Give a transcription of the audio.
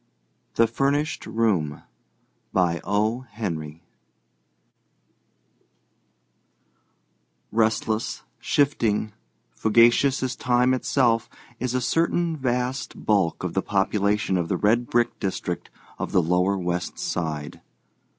THE FURNISHED ROOM Restless, shifting, fugacious as time itself is a certain vast bulk of the population of the red brick district of the lower West Side.